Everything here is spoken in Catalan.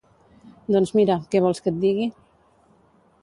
Doncs mira, què vols que et digui?